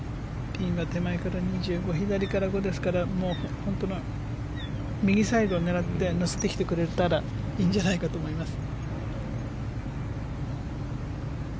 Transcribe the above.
ピンは手前から２５左から５ですから右サイドを狙って乗せてきてくれたらいいんじゃないかと思います。